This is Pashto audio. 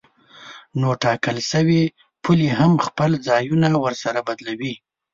نو ټاکل شوې پولې هم خپل ځایونه ورسره بدلوي.